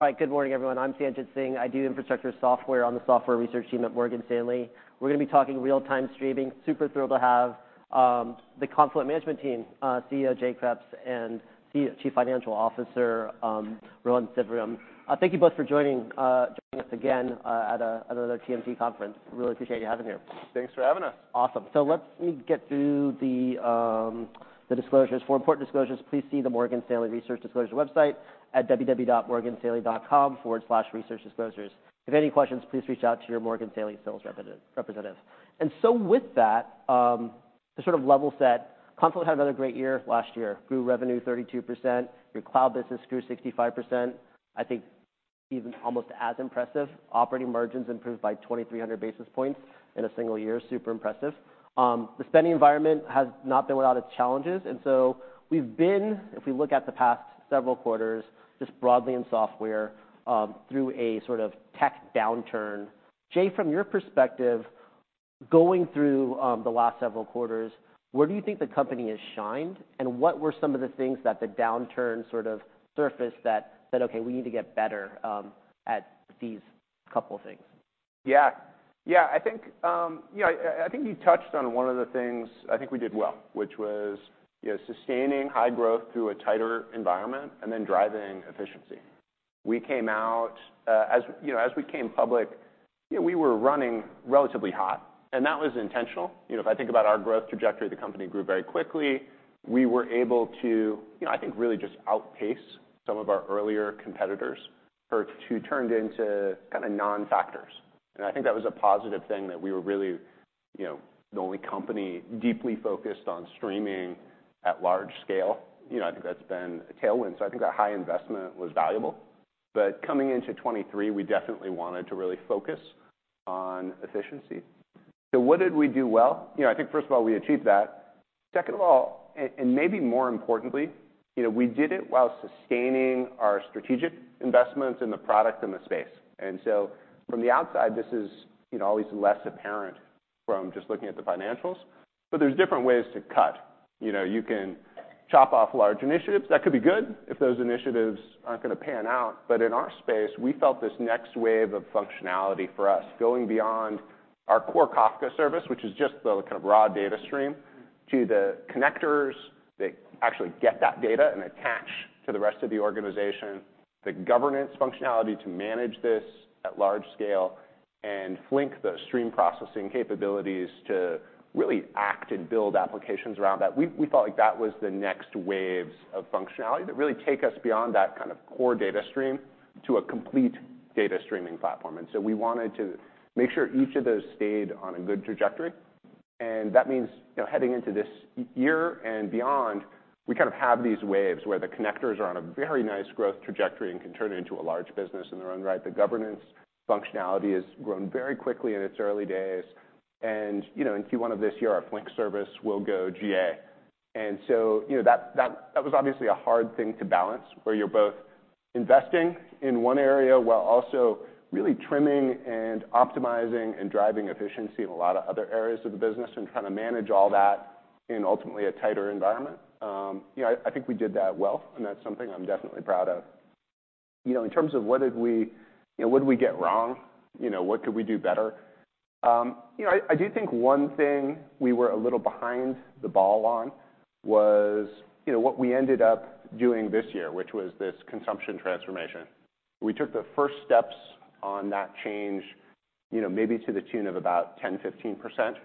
All right, good morning everyone. I'm Sanjit Singh. I do infrastructure software on the software research team at Morgan Stanley. We're going to be talking real-time streaming. Super thrilled to have the Confluent management team, CEO Jay Kreps and CFO Rohan Sivaram. Thank you both for joining us again at another TMT conference. Really appreciate having you here. Thanks for having us. Awesome. So let me get through the disclosures. For important disclosures, please see the Morgan Stanley Research Disclosures website at www.morganstanley.com/researchdisclosures. If any questions, please reach out to your Morgan Stanley sales representative. So with that, to sort of level set, Confluent had another great year last year. Grew revenue 32%. Your cloud business grew 65%. I think even almost as impressive. Operating margins improved by 2,300 basis points in a single year. Super impressive. The spending environment has not been without its challenges. So we've been, if we look at the past several quarters, just broadly in software, through a sort of tech downturn. Jay, from your perspective, going through the last several quarters, where do you think the company has shined, and what were some of the things that the downturn sort of surfaced that said, "Okay, we need to get better at these couple of things"? Yeah. Yeah, I think, you know, I think you touched on one of the things I think we did well, which was, you know, sustaining high growth through a tighter environment and then driving efficiency. We came out, as you know, as we came public, you know, we were running relatively hot. And that was intentional. You know, if I think about our growth trajectory, the company grew very quickly. We were able to, you know, I think really just outpace some of our earlier competitors, which turned into kind of non-factors. And I think that was a positive thing that we were really, you know, the only company deeply focused on streaming at large scale. You know, I think that's been a tailwind. So I think that high investment was valuable. But coming into 2023, we definitely wanted to really focus on efficiency. So what did we do well? You know, I think first of all, we achieved that. Second of all, and maybe more importantly, you know, we did it while sustaining our strategic investments in the product and the space. And so from the outside, this is, you know, always less apparent from just looking at the financials. But there's different ways to cut. You know, you can chop off large initiatives. That could be good if those initiatives aren't going to pan out. But in our space, we felt this next wave of functionality for us, going beyond our core Kafka service, which is just the kind of raw data stream, to the connectors that actually get that data and attach to the rest of the organization, the governance functionality to manage this at large scale, and Flink the stream processing capabilities to really act and build applications around that. We felt like that was the next waves of functionality that really take us beyond that kind of core data stream to a complete data streaming platform. And so we wanted to make sure each of those stayed on a good trajectory. And that means, you know, heading into this year and beyond, we kind of have these waves where the Connectors are on a very nice growth trajectory and can turn into a large business in their own right. The governance functionality has grown very quickly in its early days. And, you know, in Q1 of this year, our Flink service will go GA. And so, you know, that was obviously a hard thing to balance, where you're both investing in one area while also really trimming and optimizing and driving efficiency in a lot of other areas of the business and trying to manage all that in ultimately a tighter environment. You know, I think we did that well. And that's something I'm definitely proud of. You know, in terms of what did we you know, what did we get wrong? You know, what could we do better? You know, I do think one thing we were a little behind the ball on was, you know, what we ended up doing this year, which was this consumption transformation. We took the first steps on that change, you know, maybe to the tune of about 10%-15%,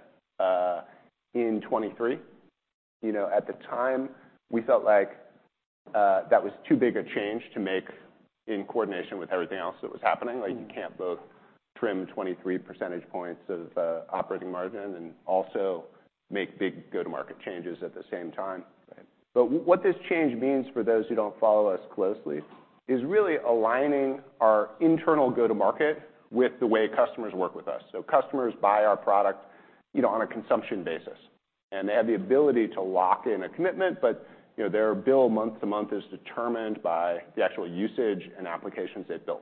in 2023. You know, at the time, we felt like that was too big a change to make in coordination with everything else that was happening. Like, you can't both trim 23% of operating margin and also make big go-to-market changes at the same time. Right. But what this change means for those who don't follow us closely is really aligning our internal go-to-market with the way customers work with us. So customers buy our product, you know, on a consumption basis. And they have the ability to lock in a commitment, but, you know, their bill month to month is determined by the actual usage and applications they've built.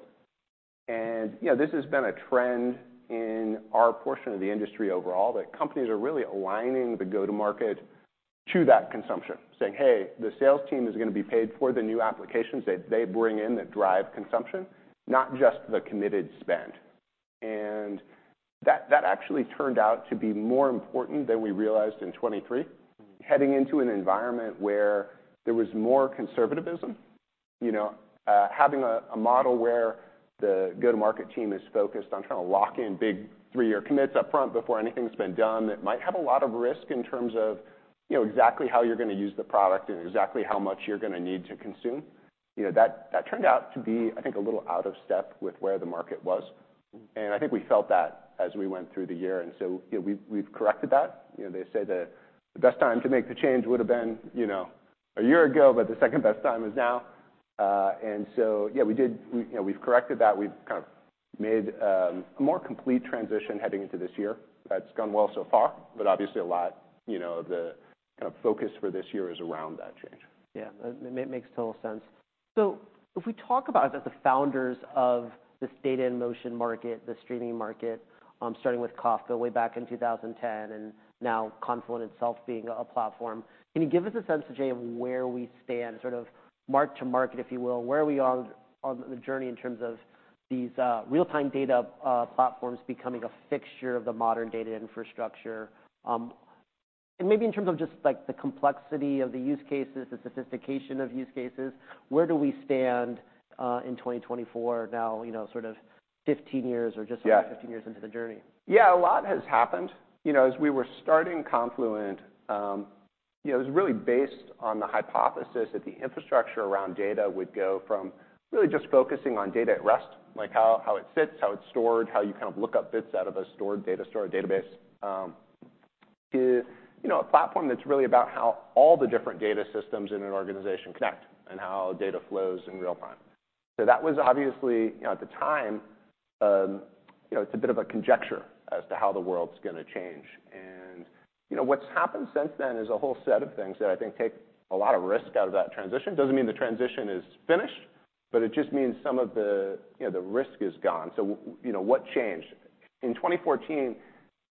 And, you know, this has been a trend in our portion of the industry overall that companies are really aligning the go-to-market to that consumption, saying, "Hey, the sales team is going to be paid for the new applications that they bring in that drive consumption, not just the committed spend." And that actually turned out to be more important than we realized in 2023, heading into an environment where there was more conservatism. You know, having a model where the go-to-market team is focused on trying to lock in big three-year commits upfront before anything's been done that might have a lot of risk in terms of, you know, exactly how you're going to use the product and exactly how much you're going to need to consume. You know, that turned out to be, I think, a little out of step with where the market was. And I think we felt that as we went through the year. And so, you know, we've corrected that. You know, they say the best time to make the change would have been, you know, a year ago, but the second best time is now. And so, yeah, we did, you know, we've corrected that. We've kind of made a more complete transition heading into this year. That's gone well so far, but obviously a lot, you know, of the kind of focus for this year is around that change. Yeah. It makes total sense. So if we talk about as the founders of this data in motion market, the streaming market, starting with Kafka way back in 2010 and now Confluent itself being a platform, can you give us a sense, Jay, of where we stand, sort of mark to market, if you will, where we are on the journey in terms of these, real-time data, platforms becoming a fixture of the modern data infrastructure? And maybe in terms of just, like, the complexity of the use cases, the sophistication of use cases, where do we stand, in 2024 now, you know, sort of 15 years or just over 15 years into the journey? Yeah. Yeah, a lot has happened. You know, as we were starting Confluent, you know, it was really based on the hypothesis that the infrastructure around data would go from really just focusing on data at rest, like how it sits, how it's stored, how you kind of look up bits out of a stored data, stored database, to, you know, a platform that's really about how all the different data systems in an organization connect and how data flows in real time. So that was obviously, you know, at the time, you know, it's a bit of a conjecture as to how the world's going to change. And, you know, what's happened since then is a whole set of things that I think take a lot of risk out of that transition. Doesn't mean the transition is finished, but it just means some of the, you know, the risk is gone. So, you know, what changed? In 2014,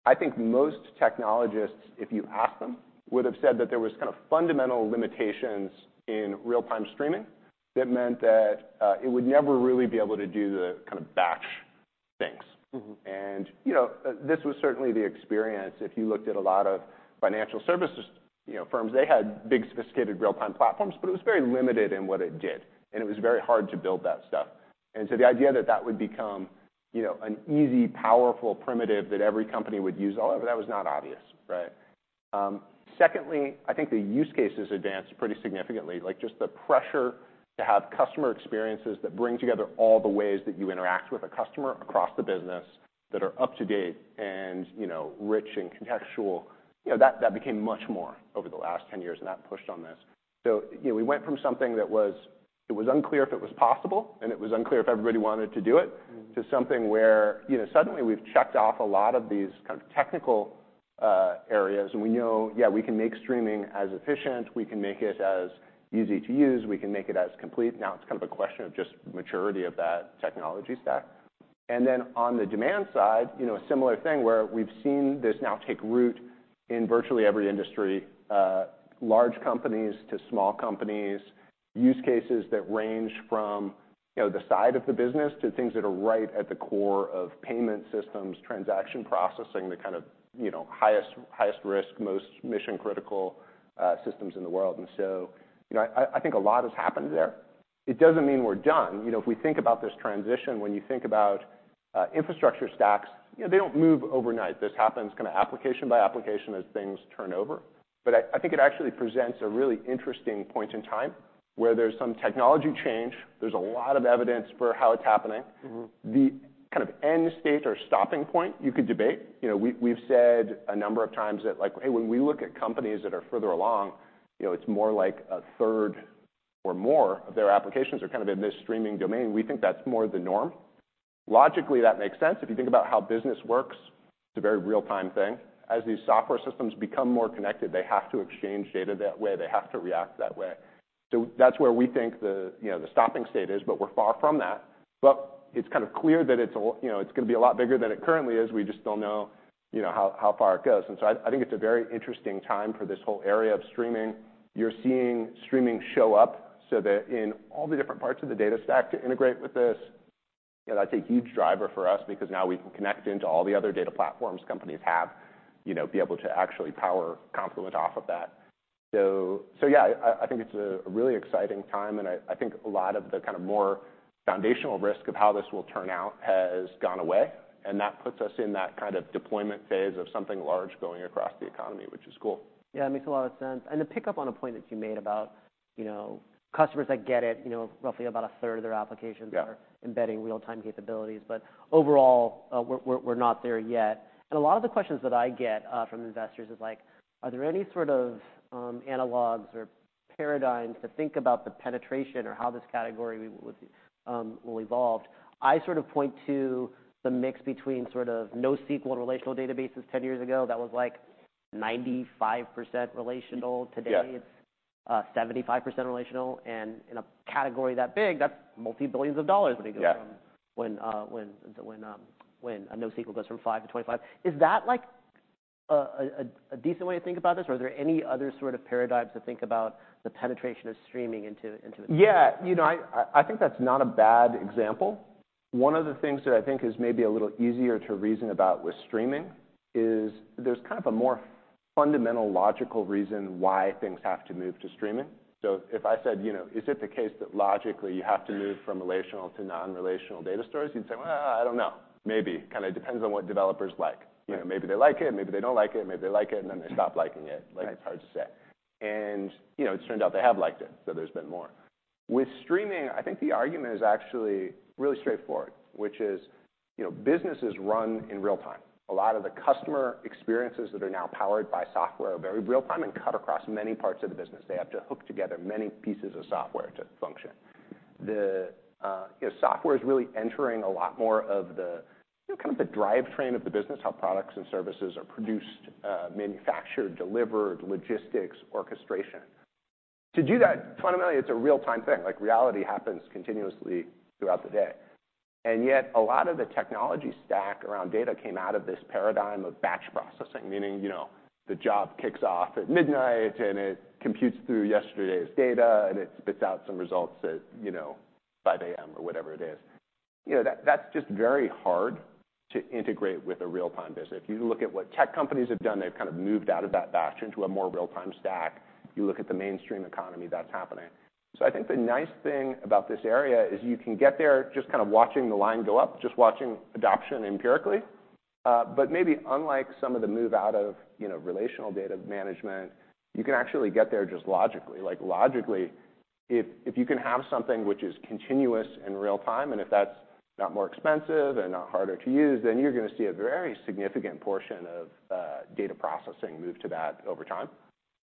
I think most technologists, if you ask them, would have said that there were kind of fundamental limitations in real-time streaming that meant that, it would never really be able to do the kind of batch things. And, you know, this was certainly the experience. If you looked at a lot of financial services, you know, firms, they had big sophisticated real-time platforms, but it was very limited in what it did. And it was very hard to build that stuff. And so the idea that that would become, you know, an easy, powerful primitive that every company would use all over, that was not obvious, right? Secondly, I think the use cases advanced pretty significantly, like just the pressure to have customer experiences that bring together all the ways that you interact with a customer across the business that are up to date and, you know, rich and contextual. You know, that became much more over the last 10 years, and that pushed on this. So, you know, we went from something that was unclear if it was possible, and it was unclear if everybody wanted to do it, to something where, you know, suddenly we've checked off a lot of these kind of technical areas. And we know, yeah, we can make streaming as efficient. We can make it as easy to use. We can make it as complete. Now it's kind of a question of just maturity of that technology stack. And then on the demand side, you know, a similar thing where we've seen this now take root in virtually every industry, large companies to small companies, use cases that range from, you know, the side of the business to things that are right at the core of payment systems, transaction processing, the kind of, you know, highest risk, most mission-critical systems in the world. And so, you know, I think a lot has happened there. It doesn't mean we're done. You know, if we think about this transition, when you think about infrastructure stacks, you know, they don't move overnight. This happens kind of application by application as things turn over. But I think it actually presents a really interesting point in time where there's some technology change. There's a lot of evidence for how it's happening. The kind of end state or stopping point, you could debate. You know, we've said a number of times that, like, hey, when we look at companies that are further along, you know, it's more like a third or more of their applications are kind of in this streaming domain. We think that's more the norm. Logically, that makes sense. If you think about how business works, it's a very real-time thing. As these software systems become more connected, they have to exchange data that way. They have to react that way. So that's where we think the, you know, the stopping state is, but we're far from that. But it's kind of clear that it's, you know, it's going to be a lot bigger than it currently is. We just don't know, you know, how far it goes. And so I think it's a very interesting time for this whole area of streaming. You're seeing streaming show up so that in all the different parts of the data stack to integrate with this, you know, that's a huge driver for us because now we can connect into all the other data platforms companies have, you know, be able to actually power Confluent off of that. So, yeah, I think it's a really exciting time. And I think a lot of the kind of more foundational risk of how this will turn out has gone away. And that puts us in that kind of deployment phase of something large going across the economy, which is cool. Yeah, it makes a lot of sense. And to pick up on a point that you made about, you know, customers, I get it, you know, roughly about a third of their applications are embedding real-time capabilities. But overall, we're not there yet. And a lot of the questions that I get from investors is like, are there any sort of analogs or paradigms to think about the penetration or how this category will evolve? I sort of point to the mix between sort of NoSQL relational databases 10 years ago. That was like 95% relational. Today, it's 75% relational. And in a category that big, that's $ multi-billions when you go from when a NoSQL goes from 5% to 25%. Is that like a decent way to think about this? Or are there any other sort of paradigms to think about the penetration of streaming into it? Yeah. You know, I think that's not a bad example. One of the things that I think is maybe a little easier to reason about with streaming is there's kind of a more fundamental logical reason why things have to move to streaming. So if I said, you know, is it the case that logically you have to move from relational to non-relational data stores, you'd say, well, I don't know. Maybe. Kind of depends on what developers like. You know, maybe they like it. Maybe they don't like it. Maybe they like it, and then they stop liking it. Like, it's hard to say. And, you know, it's turned out they have liked it, so there's been more. With streaming, I think the argument is actually really straightforward, which is, you know, businesses run in real time. A lot of the customer experiences that are now powered by software are very real time and cut across many parts of the business. They have to hook together many pieces of software to function. you know, software is really entering a lot more of the, you know, kind of the drivetrain of the business, how products and services are produced, manufactured, delivered, logistics, orchestration. To do that, fundamentally, it's a real-time thing. Like, reality happens continuously throughout the day. And yet, a lot of the technology stack around data came out of this paradigm of batch processing, meaning, you know, the job kicks off at midnight, and it computes through yesterday's data, and it spits out some results at, you know, 5:00 A.M. or whatever it is. You know, that's just very hard to integrate with a real-time business. If you look at what tech companies have done, they've kind of moved out of that batch into a more real-time stack. You look at the mainstream economy, that's happening. So I think the nice thing about this area is you can get there just kind of watching the line go up, just watching adoption empirically. But maybe unlike some of the move out of, you know, relational data management, you can actually get there just logically. Like, logically, if you can have something which is continuous and real time, and if that's not more expensive and not harder to use, then you're going to see a very significant portion of data processing move to that over time.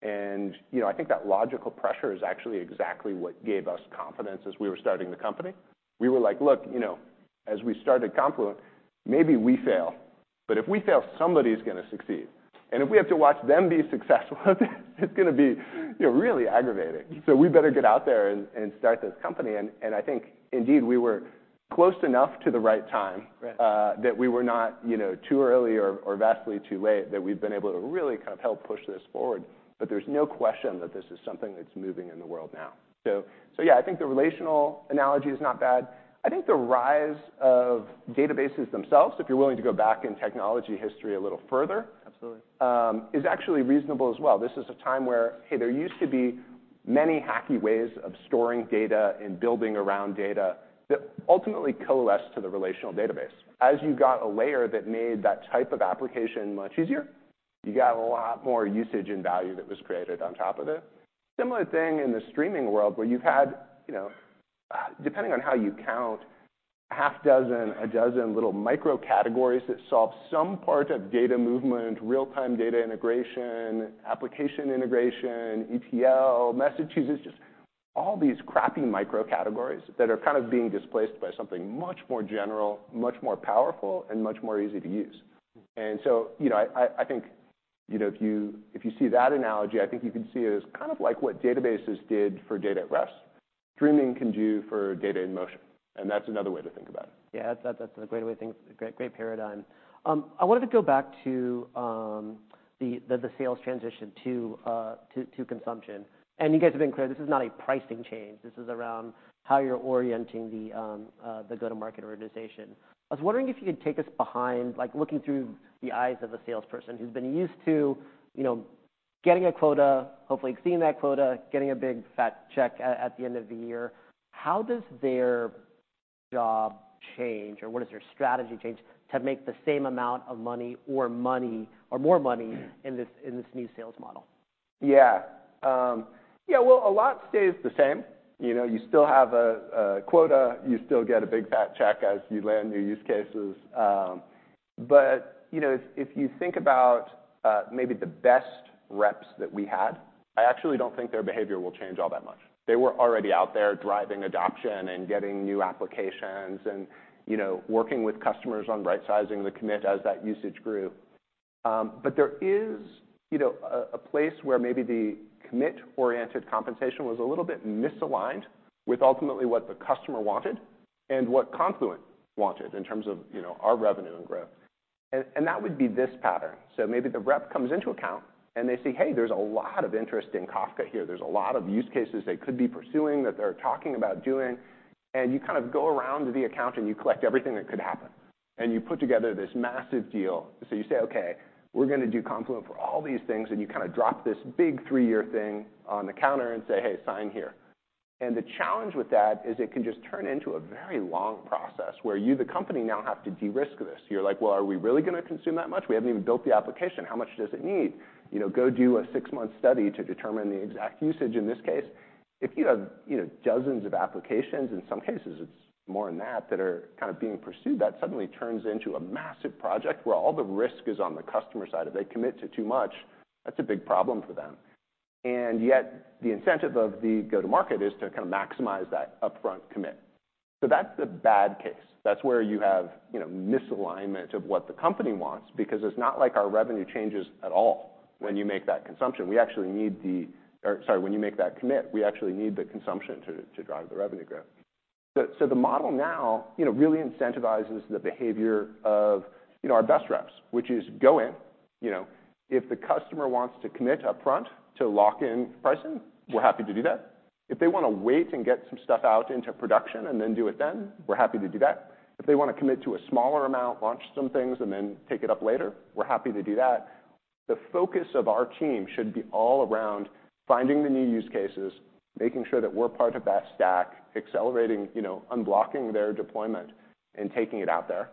And, you know, I think that logical pressure is actually exactly what gave us confidence as we were starting the company. We were like, look, you know, as we started Confluent, maybe we fail. But if we fail, somebody's going to succeed. And if we have to watch them be successful with it, it's going to be, you know, really aggravating. So we better get out there and start this company. And I think, indeed, we were close enough to the right time that we were not, you know, too early or vastly too late that we've been able to really kind of help push this forward. But there's no question that this is something that's moving in the world now. So, yeah, I think the relational analogy is not bad. I think the rise of databases themselves, if you're willing to go back in technology history a little further, is actually reasonable as well. This is a time where, hey, there used to be many hacky ways of storing data and building around data that ultimately coalesced to the relational database. As you got a layer that made that type of application much easier, you got a lot more usage and value that was created on top of it. Similar thing in the streaming world where you've had, you know, depending on how you count, half dozen, a dozen little micro categories that solve some part of data movement, real-time data integration, application integration, ETL, message usage, just all these crappy micro categories that are kind of being displaced by something much more general, much more powerful, and much more easy to use. And so, you know, I think, you know, if you see that analogy, I think you could see it as kind of like what databases did for data at rest. Streaming can do for data in motion. That's another way to think about it. Yeah, that's a great way to think. Great paradigm. I wanted to go back to the sales transition to consumption. And you guys have been clear. This is not a pricing change. This is around how you're orienting the go-to-market organization. I was wondering if you could take us behind, like, looking through the eyes of a salesperson who's been used to, you know, getting a quota, hopefully exceeding that quota, getting a big fat check at the end of the year. How does their job change, or what does their strategy change to make the same amount of money or money or more money in this new sales model? Yeah. Yeah, well, a lot stays the same. You know, you still have a quota. You still get a big fat check as you land new use cases. But, you know, if you think about maybe the best reps that we had, I actually don't think their behavior will change all that much. They were already out there driving adoption and getting new applications and, you know, working with customers on right-sizing the commit as that usage grew. But there is, you know, a place where maybe the commit-oriented compensation was a little bit misaligned with ultimately what the customer wanted and what Confluent wanted in terms of, you know, our revenue and growth. And that would be this pattern. So maybe the rep comes into account, and they see, hey, there's a lot of interest in Kafka here. There's a lot of use cases they could be pursuing that they're talking about doing. And you kind of go around the account, and you collect everything that could happen. And you put together this massive deal. So you say, OK, we're going to do Confluent for all these things. And you kind of drop this big three-year thing on the counter and say, hey, sign here. And the challenge with that is it can just turn into a very long process where you, the company, now have to de-risk this. You're like, well, are we really going to consume that much? We haven't even built the application. How much does it need? You know, go do a six-month study to determine the exact usage. In this case, if you have, you know, dozens of applications, in some cases, it's more than that, that are kind of being pursued, that suddenly turns into a massive project where all the risk is on the customer side. If they commit to too much, that's a big problem for them. And yet, the incentive of the go-to-market is to kind of maximize that upfront commit. So that's the bad case. That's where you have, you know, misalignment of what the company wants because it's not like our revenue changes at all when you make that consumption. We actually need the, or sorry, when you make that commit, we actually need the consumption to drive the revenue growth. So the model now, you know, really incentivizes the behavior of, you know, our best reps, which is go in. You know, if the customer wants to commit upfront to lock in pricing, we're happy to do that. If they want to wait and get some stuff out into production and then do it then, we're happy to do that. If they want to commit to a smaller amount, launch some things, and then take it up later, we're happy to do that. The focus of our team should be all around finding the new use cases, making sure that we're part of that stack, accelerating, you know, unblocking their deployment, and taking it out there.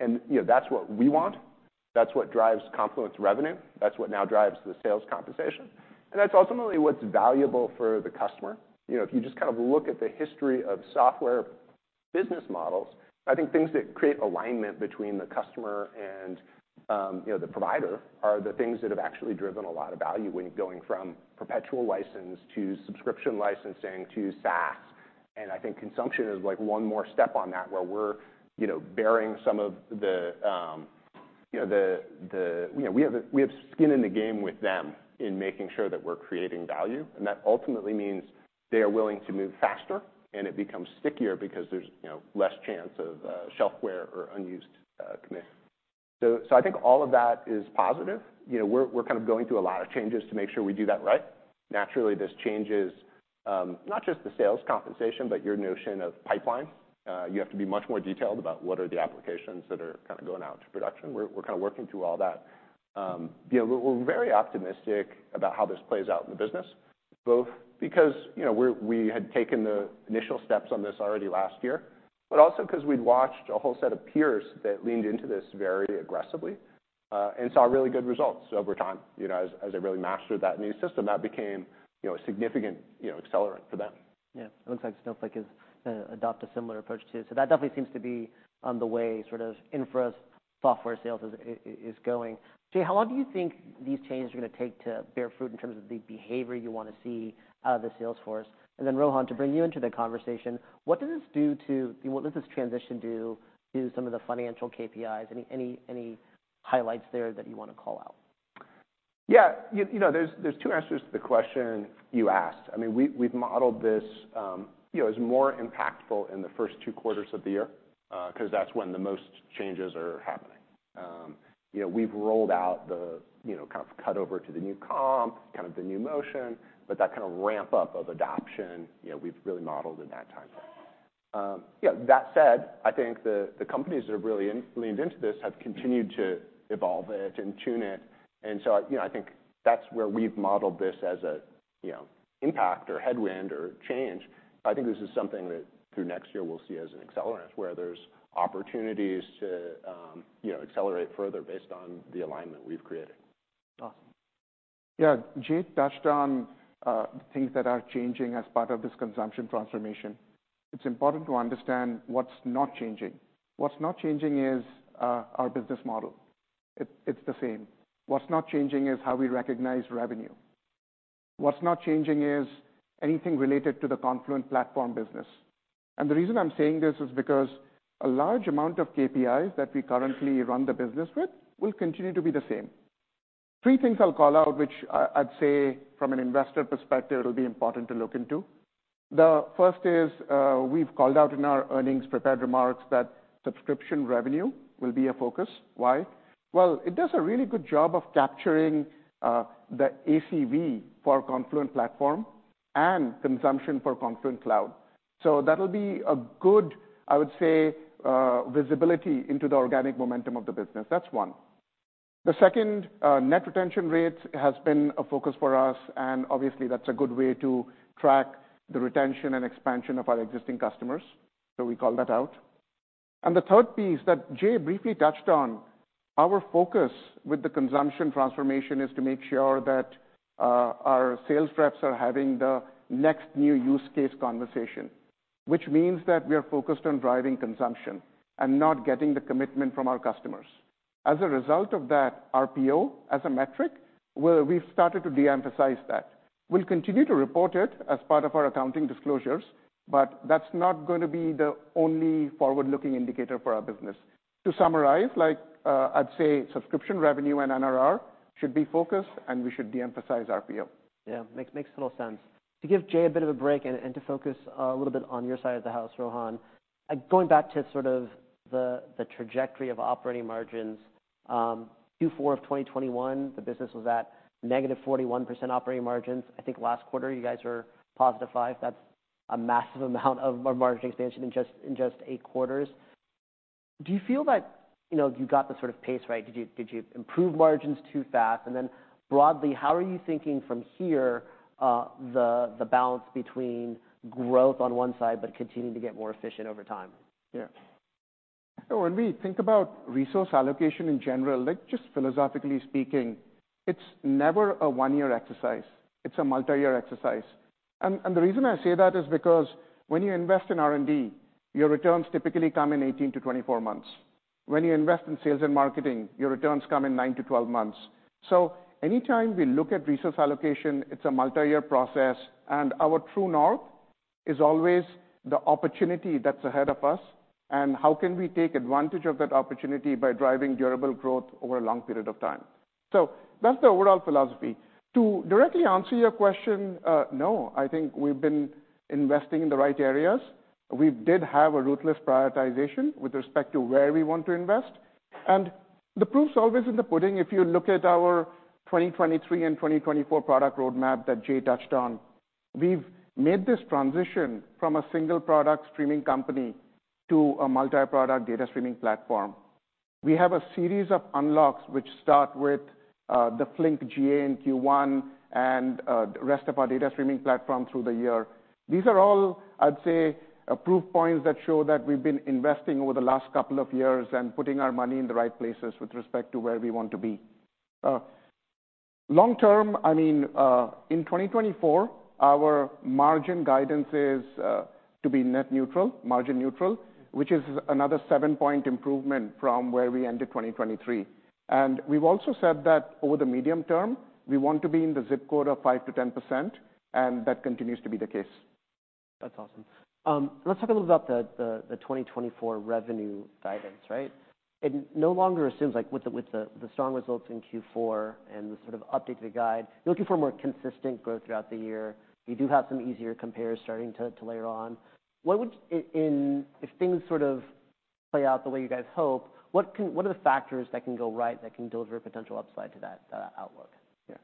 And, you know, that's what we want. That's what drives Confluent's revenue. That's what now drives the sales compensation. And that's ultimately what's valuable for the customer. You know, if you just kind of look at the history of software business models, I think things that create alignment between the customer and, you know, the provider are the things that have actually driven a lot of value when going from perpetual license to subscription licensing to SaaS. And I think consumption is like one more step on that where we're, you know, bearing some of the, you know, the, you know, we have skin in the game with them in making sure that we're creating value. And that ultimately means they are willing to move faster, and it becomes stickier because there's, you know, less chance of shelf wear or unused commitments. So I think all of that is positive. You know, we're kind of going through a lot of changes to make sure we do that right. Naturally, this changes not just the sales compensation, but your notion of pipelines. You have to be much more detailed about what are the applications that are kind of going out to production. We're kind of working through all that. You know, we're very optimistic about how this plays out in the business, both because, you know, we had taken the initial steps on this already last year, but also because we'd watched a whole set of peers that leaned into this very aggressively and saw really good results over time. You know, as they really mastered that new system, that became, you know, a significant, you know, accelerant for them. Yeah. It looks like Snowflake has adopted a similar approach too. So that definitely seems to be the way sort of infra software sales is going. Jay, how long do you think these changes are going to take to bear fruit in terms of the behavior you want to see out of the Salesforce? And then, Rohan, to bring you into the conversation, what does this do to, what does this transition do to some of the financial KPIs? Any highlights there that you want to call out? Yeah. You know, there's two answers to the question you asked. I mean, we've modeled this, you know, as more impactful in the first two quarters of the year because that's when the most changes are happening. You know, we've rolled out the, you know, kind of cutover to the new comp, kind of the new motion. But that kind of ramp-up of adoption, you know, we've really modeled in that time frame. Yeah, that said, I think the companies that have really leaned into this have continued to evolve it and tune it. And so, you know, I think that's where we've modeled this as a, you know, impact or headwind or change. I think this is something that, through next year, we'll see as an accelerant where there's opportunities to, you know, accelerate further based on the alignment we've created. Awesome. Yeah, Jay touched on the things that are changing as part of this consumption transformation. It's important to understand what's not changing. What's not changing is our business model. It's the same. What's not changing is how we recognize revenue. What's not changing is anything related to the Confluent Platform business. And the reason I'm saying this is because a large amount of KPIs that we currently run the business with will continue to be the same. Three things I'll call out, which I'd say, from an investor perspective, it'll be important to look into. The first is we've called out in our earnings prepared remarks that subscription revenue will be a focus. Why? Well, it does a really good job of capturing the ACV for Confluent Platform and consumption for Confluent Cloud. So that'll be a good, I would say, visibility into the organic momentum of the business. That's one. The second, net retention rate has been a focus for us. Obviously, that's a good way to track the retention and expansion of our existing customers. We call that out. The third piece that Jay briefly touched on, our focus with the consumption transformation is to make sure that our sales reps are having the next new use case conversation, which means that we are focused on driving consumption and not getting the commitment from our customers. As a result of that, RPO as a metric, we've started to de-emphasize that. We'll continue to report it as part of our accounting disclosures. But that's not going to be the only forward-looking indicator for our business. To summarize, like, I'd say subscription revenue and NRR should be focused, and we should de-emphasize RPO. Yeah, makes total sense. To give Jay a bit of a break and to focus a little bit on your side of the house, Rohan, going back to sort of the trajectory of operating margins, Q4 of 2021, the business was at negative 41% operating margins. I think last quarter, you guys were positive 5%. That's a massive amount of margin expansion in just 8 quarters. Do you feel that, you know, you got the sort of pace right? Did you improve margins too fast? And then, broadly, how are you thinking from here the balance between growth on one side but continuing to get more efficient over time? Yeah. When we think about resource allocation in general, like, just philosophically speaking, it's never a one-year exercise. It's a multi-year exercise. And the reason I say that is because when you invest in R&D, your returns typically come in 18 months.-24 months. When you invest in sales and marketing, your returns come in 9 months.-12 months. So anytime we look at resource allocation, it's a multi-year process. And our true north is always the opportunity that's ahead of us. And how can we take advantage of that opportunity by driving durable growth over a long period of time? So that's the overall philosophy. To directly answer your question, no. I think we've been investing in the right areas. We did have a ruthless prioritization with respect to where we want to invest. And the proof's always in the pudding. If you look at our 2023 and 2024 product roadmap that Jay touched on, we've made this transition from a single product streaming company to a multi-product data streaming platform. We have a series of unlocks, which start with the Flink GA in Q1 and the rest of our data streaming platform through the year. These are all, I'd say, proof points that show that we've been investing over the last couple of years and putting our money in the right places with respect to where we want to be. Long term, I mean, in 2024, our margin guidance is to be net neutral, margin neutral, which is another seven-point improvement from where we ended 2023. And we've also said that over the medium term, we want to be in the zip code of 5%-10%. And that continues to be the case. That's awesome. Let's talk a little bit about the 2024 revenue guidance, right? It no longer assumes, like, with the strong results in Q4 and the sort of update to the guide, you're looking for more consistent growth throughout the year. You do have some easier compares starting to layer on. If things sort of play out the way you guys hope, what are the factors that can go right that can deliver potential upside to that outlook? Yeah.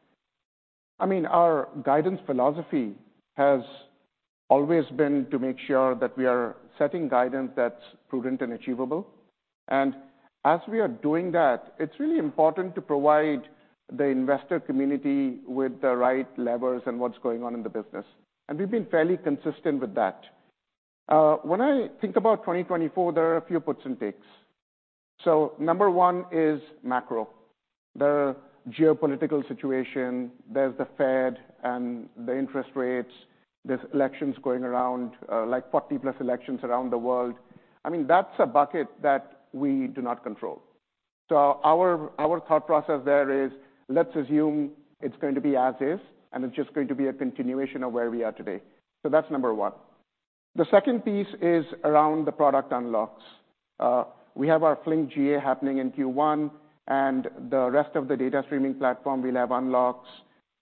I mean, our guidance philosophy has always been to make sure that we are setting guidance that's prudent and achievable. And as we are doing that, it's really important to provide the investor community with the right levers and what's going on in the business. And we've been fairly consistent with that. When I think about 2024, there are a few puts and takes. So number one is macro. There are geopolitical situations. There's the Fed and the interest rates. There's elections going around, like 40+ elections around the world. I mean, that's a bucket that we do not control. So our thought process there is, let's assume it's going to be as is, and it's just going to be a continuation of where we are today. So that's number one. The second piece is around the product unlocks. We have our Flink GA happening in Q1. And the rest of the data streaming platform, we'll have unlocks.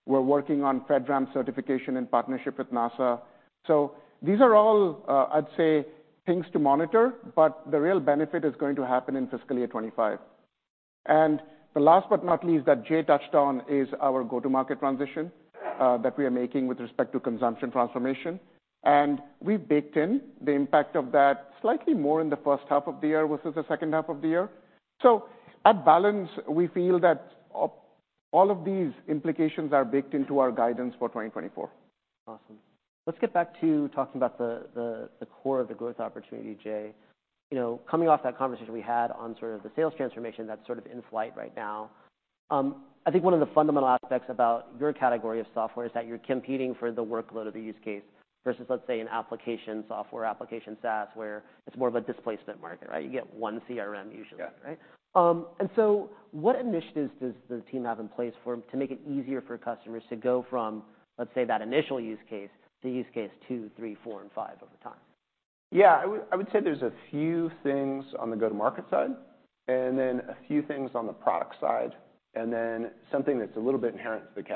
We're working on FedRAMP certification in partnership with NASA. So these are all, I'd say, things to monitor. But the real benefit is going to happen in fiscal year 2025. And the last but not least that Jay touched on is our go-to-market transition that we are making with respect to consumption transformation. And we've baked in the impact of that slightly more in the first half of the year versus the second half of the year. So at balance, we feel that all of these implications are baked into our guidance for 2024. Awesome. Let's get back to talking about the core of the growth opportunity, Jay. You know, coming off that conversation we had on sort of the sales transformation that's sort of in flight right now, I think one of the fundamental aspects about your category of software is that you're competing for the workload of the use case versus, let's say, an application software, application SaaS, where it's more of a displacement market, right? You get one CRM, usually, right? And so what initiatives does the team have in place to make it easier for customers to go from, let's say, that initial use case to use case two, three, four, and five over time? Yeah, I would say there's a few things on the go-to-market side and then a few things on the product side and then something that's a little bit inherent to the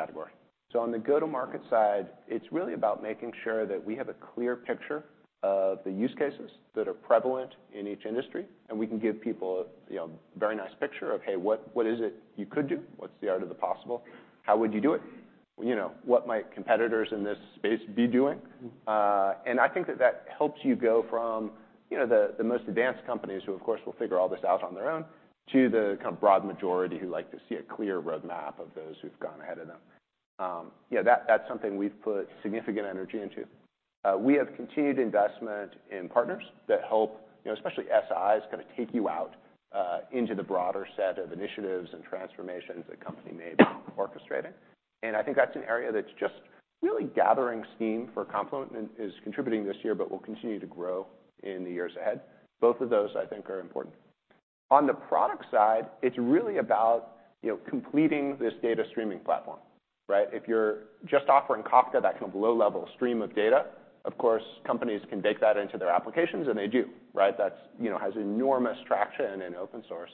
category. On the go-to-market side, it's really about making sure that we have a clear picture of the use cases that are prevalent in each industry. And we can give people a very nice picture of, hey, what is it you could do? What's the art of the possible? How would you do it? You know, what might competitors in this space be doing? And I think that that helps you go from, you know, the most advanced companies who, of course, will figure all this out on their own to the kind of broad majority who like to see a clear roadmap of those who've gone ahead of them. Yeah, that's something we've put significant energy into. We have continued investment in partners that help, you know, especially SIs kind of take you out into the broader set of initiatives and transformations that a company may be orchestrating. I think that's an area that's just really gathering steam for Confluent and is contributing this year but will continue to grow in the years ahead. Both of those, I think, are important. On the product side, it's really about, you know, completing this data streaming platform, right? If you're just offering Kafka, that kind of low-level stream of data, of course, companies can bake that into their applications. And they do, right? That's, you know, has enormous traction in open source.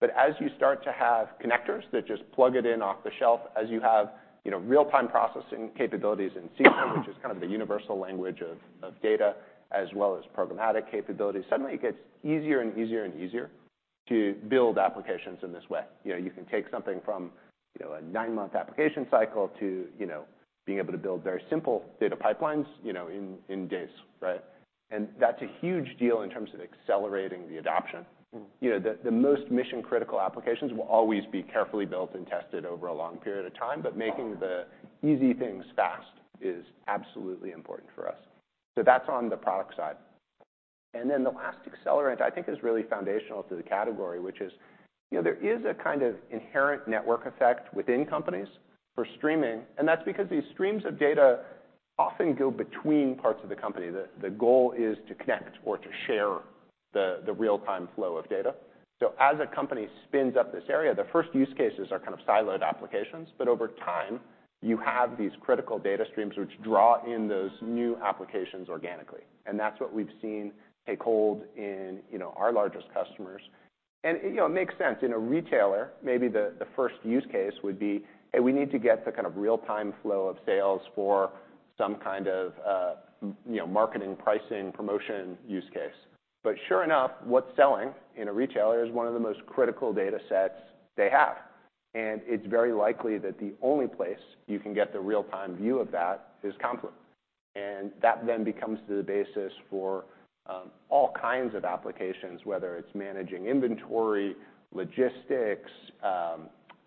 But as you start to have connectors that just plug it in off the shelf, as you have, you know, real-time processing capabilities in Kafka, which is kind of the universal language of data, as well as programmatic capabilities, suddenly, it gets easier and easier and easier to build applications in this way. You know, you can take something from, you know, a nine-month application cycle to, you know, being able to build very simple data pipelines, you know, in days, right? And that's a huge deal in terms of accelerating the adoption. You know, the most mission-critical applications will always be carefully built and tested over a long period of time. But making the easy things fast is absolutely important for us. So that's on the product side. And then the last accelerant, I think, is really foundational to the category, which is, you know, there is a kind of inherent network effect within companies for streaming. And that's because these streams of data often go between parts of the company. The goal is to connect or to share the real-time flow of data. So as a company spins up this area, the first use cases are kind of siloed applications. But over time, you have these critical data streams, which draw in those new applications organically. And that's what we've seen take hold in, you know, our largest customers. And, you know, it makes sense. In a retailer, maybe the first use case would be, hey, we need to get the kind of real-time flow of sales for some kind of, you know, marketing, pricing, promotion use case. But sure enough, what's selling in a retailer is one of the most critical data sets they have. And it's very likely that the only place you can get the real-time view of that is Confluent. And that then becomes the basis for all kinds of applications, whether it's managing inventory, logistics,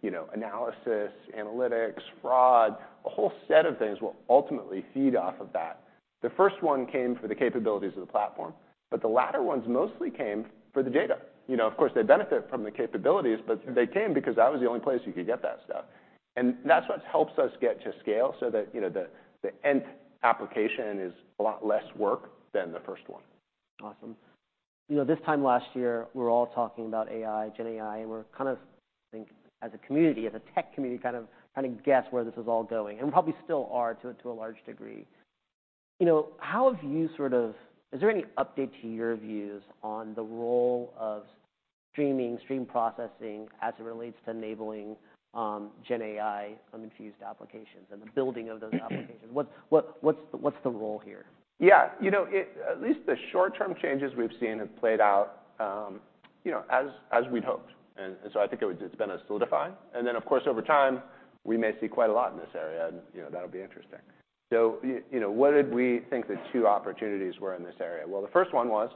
you know, analysis, analytics, fraud, a whole set of things will ultimately feed off of that. The first one came for the capabilities of the platform. But the latter ones mostly came for the data. You know, of course, they benefit from the capabilities. But they came because that was the only place you could get that stuff. And that's what helps us get to scale so that, you know, the nth application is a lot less work than the first one. Awesome. You know, this time last year, we were all talking about AI, Gen AI. And we're kind of, I think, as a community, as a tech community, kind of trying to guess where this is all going. And we probably still are to a large degree. You know, how have you sort of, is there any update to your views on the role of streaming, stream processing as it relates to enabling Gen AI-infused applications and the building of those applications? What's the role here? Yeah, you know, at least the short-term changes we've seen have played out, you know, as we'd hoped. And so I think it's been a solidifying. And then, of course, over time, we may see quite a lot in this area. And, you know, that'll be interesting. So, you know, what did we think the two opportunities were in this area? Well, the first one was,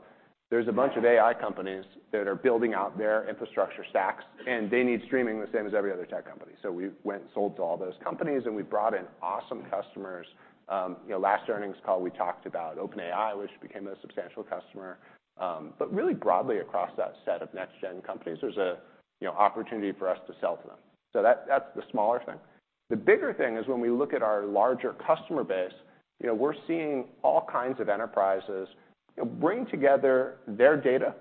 there's a bunch of AI companies that are building out their infrastructure stacks. And they need streaming the same as every other tech company. So we went and sold to all those companies. And we brought in awesome customers. You know, last earnings call, we talked about OpenAI, which became a substantial customer. But really broadly, across that set of next-gen companies, there's an opportunity for us to sell to them. So that's the smaller thing. The bigger thing is when we look at our larger customer base, you know, we're seeing all kinds of enterprises bring together their data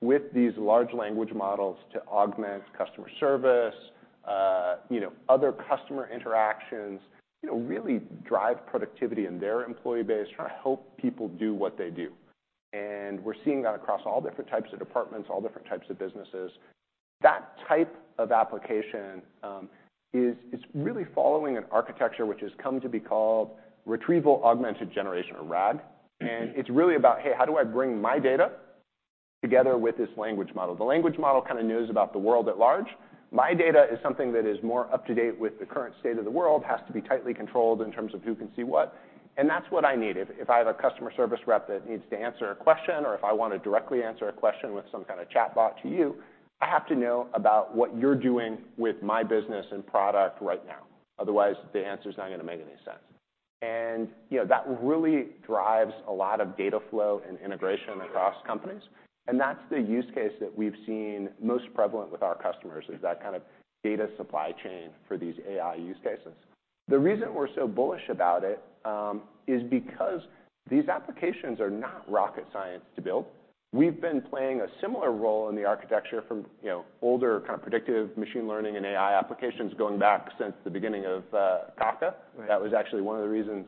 with these large language models to augment customer service, you know, other customer interactions, you know, really drive productivity in their employee base, try to help people do what they do. We're seeing that across all different types of departments, all different types of businesses. That type of application is really following an architecture which has come to be called Retrieval-Augmented Generation, or RAG. It's really about, hey, how do I bring my data together with this language model? The language model kind of knows about the world at large. My data is something that is more up to date with the current state of the world, has to be tightly controlled in terms of who can see what. That's what I need. If I have a customer service rep that needs to answer a question or if I want to directly answer a question with some kind of chatbot to you, I have to know about what you're doing with my business and product right now. Otherwise, the answer's not going to make any sense. You know, that really drives a lot of data flow and integration across companies. That's the use case that we've seen most prevalent with our customers, is that kind of data supply chain for these AI use cases. The reason we're so bullish about it is because these applications are not rocket science to build. We've been playing a similar role in the architecture from, you know, older kind of predictive machine learning and AI applications going back since the beginning of Kafka. That was actually one of the reasons,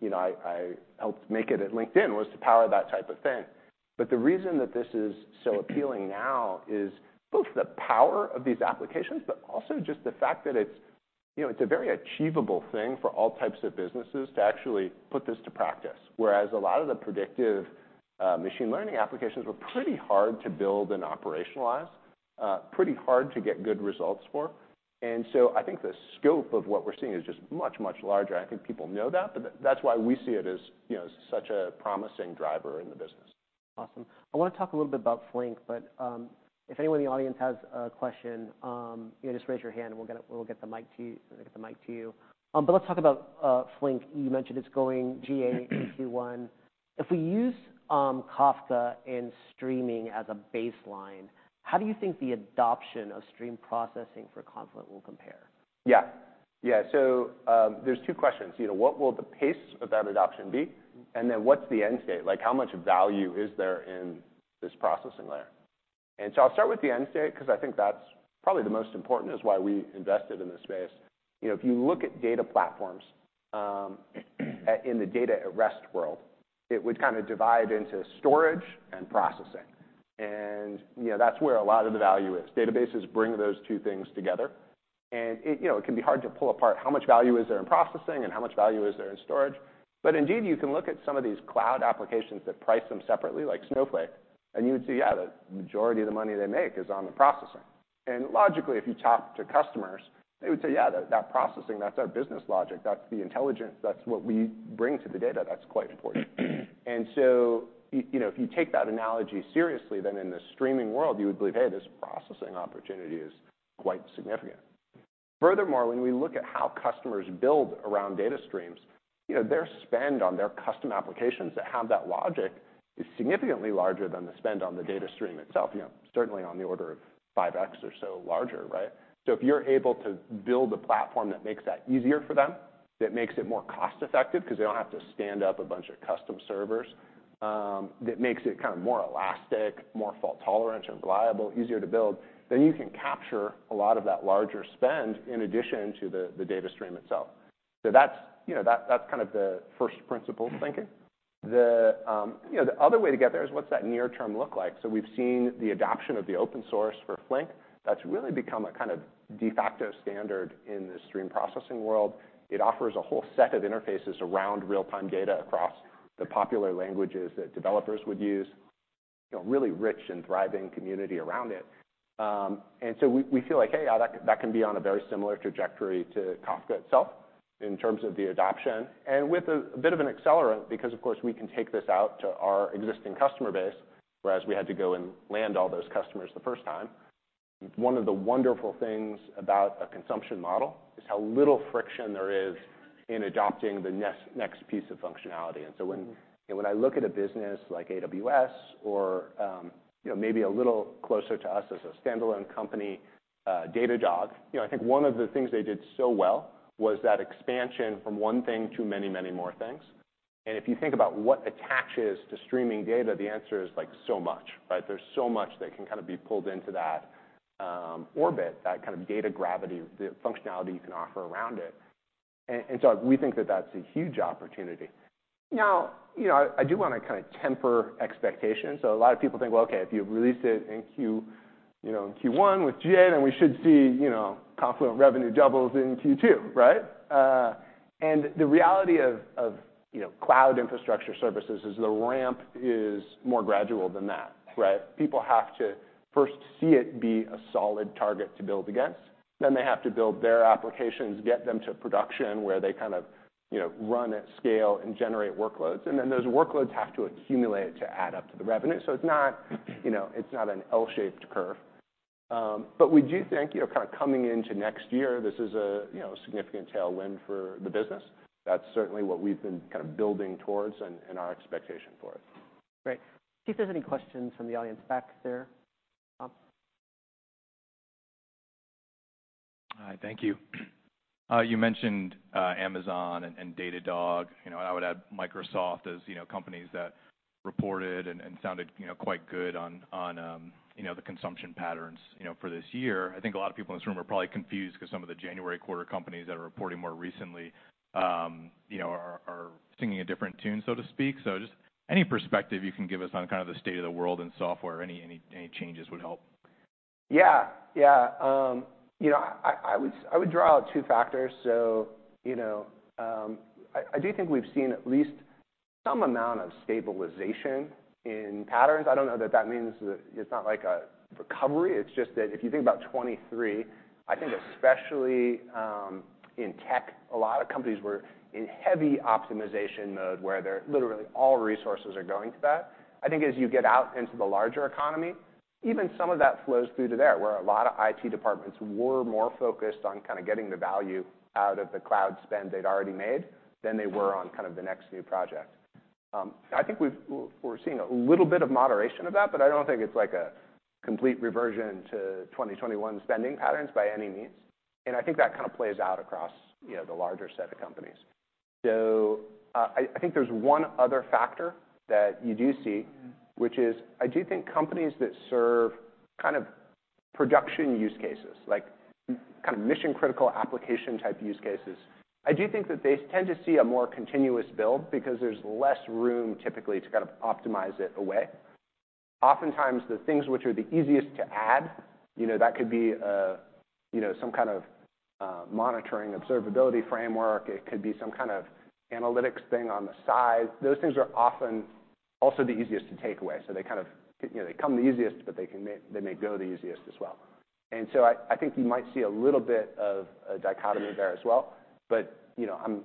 you know, I helped make it at LinkedIn was to power that type of thing. But the reason that this is so appealing now is both the power of these applications but also just the fact that it's, you know, it's a very achievable thing for all types of businesses to actually put this to practice, whereas a lot of the predictive machine learning applications were pretty hard to build and operationalize, pretty hard to get good results for. And so I think the scope of what we're seeing is just much, much larger. And I think people know that. But that's why we see it as such a promising driver in the business. Awesome. I want to talk a little bit about Flink. But if anyone in the audience has a question, you know, just raise your hand. And we'll get the mic to you. But let's talk about Flink. You mentioned it's going GA in Q1. If we use Kafka in streaming as a baseline, how do you think the adoption of stream processing for Confluent will compare? Yeah, yeah. So there's two questions. You know, what will the pace of that adoption be? And then what's the end state? Like, how much value is there in this processing layer? And so I'll start with the end state because I think that's probably the most important is why we invested in this space. You know, if you look at data platforms in the data at rest world, it would kind of divide into storage and processing. And, you know, that's where a lot of the value is. Databases bring those two things together. And, you know, it can be hard to pull apart how much value is there in processing and how much value is there in storage. But indeed, you can look at some of these cloud applications that price them separately, like Snowflake. You would see, yeah, the majority of the money they make is on the processing. And logically, if you talk to customers, they would say, yeah, that processing, that's our business logic. That's the intelligence. That's what we bring to the data. That's quite important. And so, you know, if you take that analogy seriously, then in the streaming world, you would believe, hey, this processing opportunity is quite significant. Furthermore, when we look at how customers build around data streams, you know, their spend on their custom applications that have that logic is significantly larger than the spend on the data stream itself, you know, certainly on the order of 5x or so larger, right? So if you're able to build a platform that makes that easier for them, that makes it more cost-effective because they don't have to stand up a bunch of custom servers, that makes it kind of more elastic, more fault-tolerant, and reliable, easier to build, then you can capture a lot of that larger spend in addition to the data stream itself. So that's, you know, that's kind of the first principle of thinking. The other way to get there is, what's that near-term look like? So we've seen the adoption of the open source for Flink. That's really become a kind of de facto standard in the stream processing world. It offers a whole set of interfaces around real-time data across the popular languages that developers would use, you know, really rich and thriving community around it. And so we feel like, hey, yeah, that can be on a very similar trajectory to Kafka itself in terms of the adoption and with a bit of an accelerant because, of course, we can take this out to our existing customer base, whereas we had to go and land all those customers the first time. One of the wonderful things about a consumption model is how little friction there is in adopting the next piece of functionality. And so when I look at a business like AWS or, you know, maybe a little closer to us as a standalone company, Datadog, you know, I think one of the things they did so well was that expansion from one thing to many, many more things. And if you think about what attaches to streaming data, the answer is, like, so much, right? There's so much that can kind of be pulled into that orbit, that kind of data gravity, the functionality you can offer around it. So we think that that's a huge opportunity. Now, you know, I do want to kind of temper expectations. A lot of people think, well, OK, if you've released it in Q1 with GA, then we should see, you know, Confluent revenue doubles in Q2, right? The reality of, you know, cloud infrastructure services is the ramp is more gradual than that, right? People have to first see it be a solid target to build against. Then they have to build their applications, get them to production where they kind of, you know, run at scale and generate workloads. Then those workloads have to accumulate to add up to the revenue. So it's not, you know, it's not an L-shaped curve. But we do think, you know, kind of coming into next year, this is a, you know, significant tailwind for the business. That's certainly what we've been kind of building towards and our expectation for it. Great. See if there's any questions from the audience back there, Bob. Hi, thank you. You mentioned Amazon and Datadog. You know, and I would add Microsoft as, you know, companies that reported and sounded, you know, quite good on, you know, the consumption patterns, you know, for this year. I think a lot of people in this room are probably confused because some of the January quarter companies that are reporting more recently, you know, are singing a different tune, so to speak. So just any perspective you can give us on kind of the state of the world in software, any changes would help. Yeah, yeah. You know, I would draw out two factors. So, you know, I do think we've seen at least some amount of stabilization in patterns. I don't know that that means it's not like a recovery. It's just that if you think about 2023, I think especially in tech, a lot of companies were in heavy optimization mode where literally all resources are going to that. I think as you get out into the larger economy, even some of that flows through to there, where a lot of IT departments were more focused on kind of getting the value out of the cloud spend they'd already made than they were on kind of the next new project. I think we're seeing a little bit of moderation of that. But I don't think it's like a complete reversion to 2021 spending patterns by any means. I think that kind of plays out across, you know, the larger set of companies. So I think there's one other factor that you do see, which is I do think companies that serve kind of production use cases, like kind of mission-critical application-type use cases, I do think that they tend to see a more continuous build because there's less room typically to kind of optimize it away. Oftentimes, the things which are the easiest to add, you know, that could be a, you know, some kind of monitoring observability framework. It could be some kind of analytics thing on the side. Those things are often also the easiest to take away. So they kind of, you know, they come the easiest. But they may go the easiest as well. And so I think you might see a little bit of a dichotomy there as well. But, you know, I'm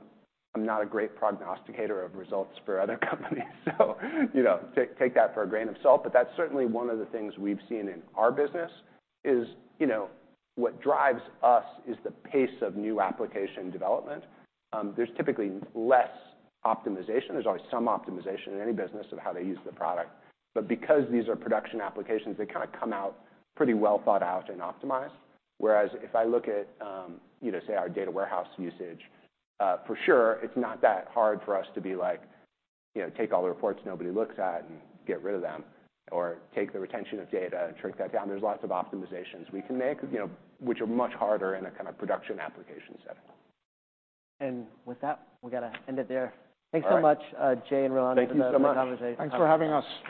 not a great prognosticator of results for other companies. So, you know, take that for a grain of salt. But that's certainly one of the things we've seen in our business is, you know, what drives us is the pace of new application development. There's typically less optimization. There's always some optimization in any business of how they use the product. But because these are production applications, they kind of come out pretty well thought out and optimized. Whereas if I look at, you know, say, our data warehouse usage, for sure, it's not that hard for us to be like, you know, take all the reports nobody looks at and get rid of them or take the retention of data and shrink that down. There's lots of optimizations we can make, you know, which are much harder in a kind of production application setting. With that, we've got to end it there. Thanks so much, Jay and Rohan, for the conversation. Thank you so much. Thanks for having us.